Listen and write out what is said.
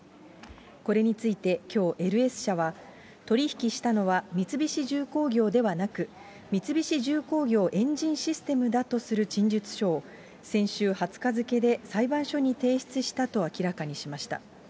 これについてきょう、ＬＳ社は取り引きしたのは三菱重工業ではなく、三菱重工業エンジンシステムだとする陳述書を先週２０日付で裁判所に提出したと明らかにしました。